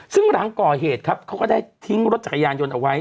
ซึ่งหลังก่อเหตุครับเขาก็ได้ทิ้งรถจักรยานยนต์เอาไว้